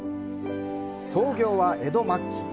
創業は江戸末期。